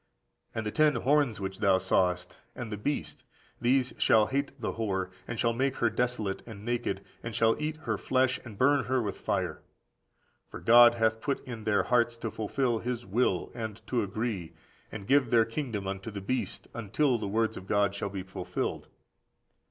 And the ten horns which thou sawest, and14771477 καί, for the received ἐπί. the beast, these shall hate the whore, and shall make her desolate and naked, and shall eat her flesh, and burn her with fire. For God hath put in their hearts to fulfil His will, and to agree, and give their kingdom unto the beast, until the words of God shall be fulfilled.